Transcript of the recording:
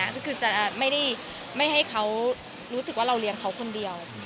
คือจะไม่ให้เขารู้สึกว่าเราเลี้ยงเขาคนเดียว